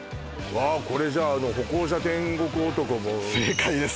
わあこれじゃああの歩行者天国男も正解です